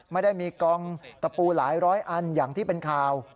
ไม่ได้มีกองตะปูหลายร้อยอันอย่างที่เป็นข่าว